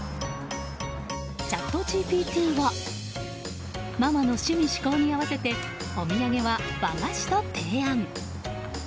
チャットＧＰＴはママの趣味嗜好に合わせてお土産は和菓子と提案。